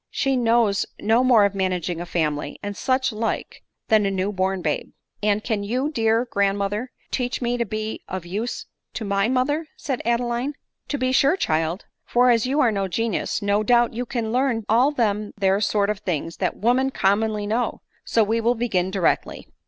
she knows no more of managing a family, and such like, than a new born babe." " And can you, dear grandmother, teach me to be of use to my mother ?" said Adeline. " To be sure, child ; for, as you are no genius, no doubt you can learn all them there sort of things that women commonly know ; so we will begin directly."